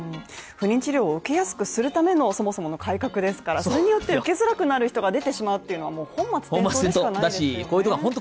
不妊治療を受けやすくするためのそもそもの改革ですからそれによって受けづらくなる人が出てしまうっていうのはもう本末転倒だし、こういうのが本当